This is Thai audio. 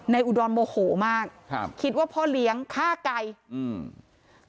อุดรโมโหมากครับคิดว่าพ่อเลี้ยงฆ่าไก่อืม